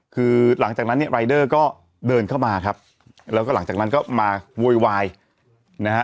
คือหลังจากนั้นเนี่ยรายเดอร์ก็เดินเข้ามาครับแล้วก็หลังจากนั้นก็มาโวยวายนะฮะ